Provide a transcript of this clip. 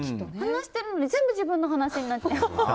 話しているのが全部自分の話になっちゃう。